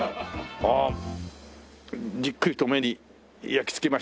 ああじっくりと目に焼き付きました。